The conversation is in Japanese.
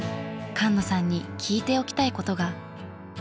菅野さんに聞いておきたいことが。